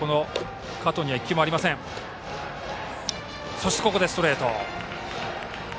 そしてここでストレート。